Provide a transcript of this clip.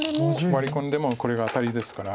ワリ込んでもこれがアタリですから。